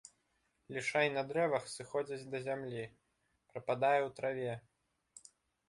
Лішай на дрэвах сыходзіць да зямлі, прападае ў траве.